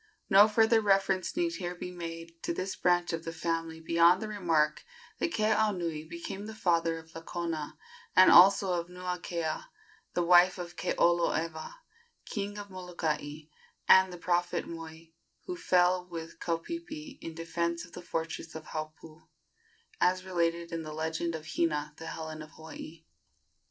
No further reference need here be made to this branch of the family beyond the remark that Keaunui became the father of Lakona, and also of Nuakea, the wife of Keoloewa, King of Molokai, and of the prophet Moi, who fell with Kaupeepee in defence of the fortress of Haupu, as related in the legend of "Hina, the Helen of Hawaii."